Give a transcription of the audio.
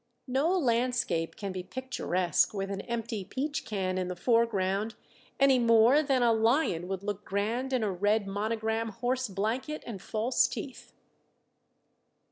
No landscape can be picturesque with an empty peach can in the foreground any more than a lion would look grand in a red monogram horse blanket and false teeth.